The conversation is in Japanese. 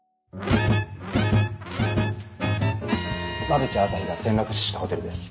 馬淵朝陽が転落死したホテルです。